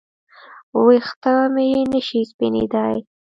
ویښته مې نشي سپینېدای